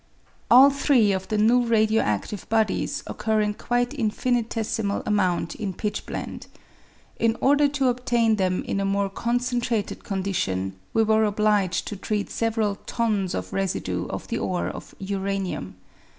All three of the new radio adive bodies occur in quite infinitesimal amount in pitchblende. In order to obtain them in a more concentrated condition, we were obliged to treat several tons of residue of the ore of uranium.